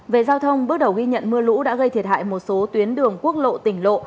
về giao thông bước đầu ghi nhận mưa lũ đã gây thiệt hại một số tuyến đường quốc lộ tỉnh lộ